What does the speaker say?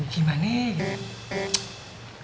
ya ya gimana gitu